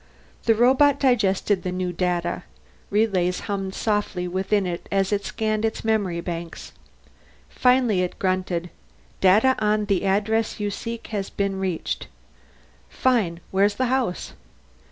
The robot digested the new data; relays hummed softly within it as it scanned its memory banks. Finally it grunted, "Data on the address you seek has been reached." "Fine! Where's the house?"